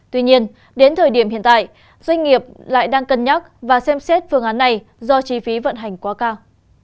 tuy nhiên đến thời điểm hiện tại doanh nghiệp lại đang cân nhắc và xem xét phương án này do chi phí vận hành quá cao